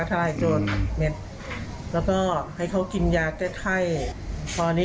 อัดยาเข้าไปให้เขากินยาเข้าไปเยอะ